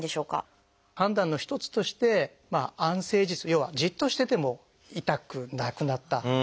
判断の一つとして安静時痛要はじっとしてても痛くなくなった。